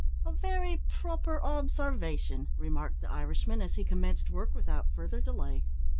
"A very proper obsarvation," remarked the Irishman, as he commenced work without further delay.